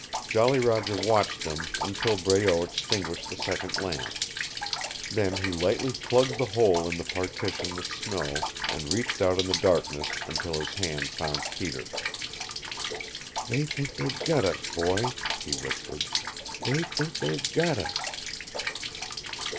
Jolly Roger watched them until Breault extinguished the second lamp. Then he lightly plugged the hole in the partition with snow, and reached out in the darkness until his hand found Peter. "They think they've got us, boy," he whispered, "They think they've got us!"